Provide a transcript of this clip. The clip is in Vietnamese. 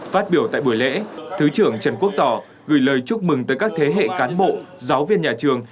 phát biểu tại buổi lễ thứ trưởng trần quốc tỏ gửi lời chúc mừng tới các thế hệ cán bộ giáo viên nhà trường